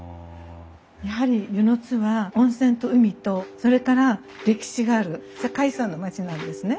やはり温泉津は温泉と海とそれから歴史がある世界遺産の町なんですね。